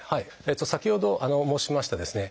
先ほど申しましたですね